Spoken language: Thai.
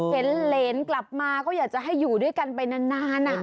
เห็นเหรนกลับมาก็อยากจะให้อยู่ด้วยกันไปนาน